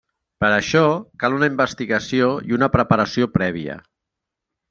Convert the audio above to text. Per això, cal una investigació i una preparació prèvia.